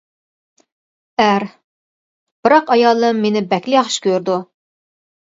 ئەر: بىراق ئايالىم مېنى بەكلا ياخشى كۆرىدۇ.